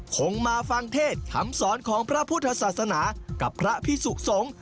คงมาฟังเทศคำสอนของพระพุทธศาสนากับพระพิสุขสงฆ์